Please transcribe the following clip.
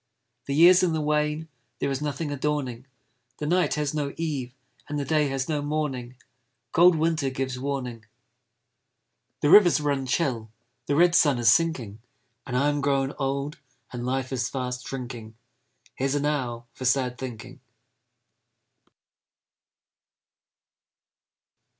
The year's in the wane, There is nothing adorning, The night has no eve, And the day has no morning; Cold winter gives warning. The rivers run chill, The red sun is sinking, And I am grown old, And life is fast shrinking; Here's enow for sad thinking!